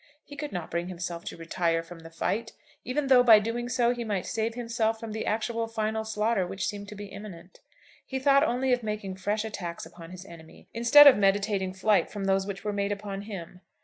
He could not bring himself to retire from the fight, even though by doing so he might save himself from the actual final slaughter which seemed to be imminent. He thought only of making fresh attacks upon his enemy, instead of meditating flight from those which were made upon him.